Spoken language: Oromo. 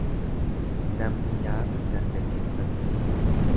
Namni nyaata ganda keessatti.